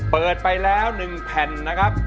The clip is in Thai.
เปิดไปแล้ว๑แผ่นนะครับ